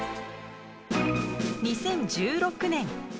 ２０１６年。